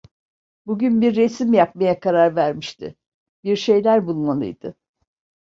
Bugün bir resim yapmaya karar vermişti, bir şeyler bulmalıydı.